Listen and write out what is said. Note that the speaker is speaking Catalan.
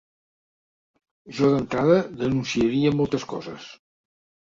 Jo d’entrada denunciaria moltes coses.